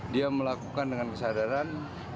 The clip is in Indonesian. dia melakukan dengan kesadaran